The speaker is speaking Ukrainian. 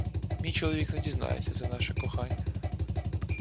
Мій чоловік не дізнається за наше кохання.